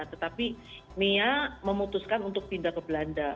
tetapi mia memutuskan untuk pindah ke belanda